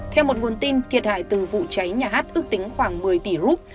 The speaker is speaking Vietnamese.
theo một nguồn tin thiệt hại từ vụ cháy nhà hát ước tính khoảng một mươi tỷ rup